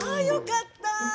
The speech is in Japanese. よかった！